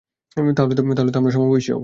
তাহলে তো আমরা সমবয়সী হবো!